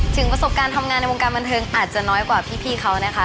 ประสบการณ์ทำงานในวงการบันเทิงอาจจะน้อยกว่าพี่เขานะคะ